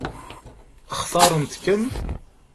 Xtaṛent-kem?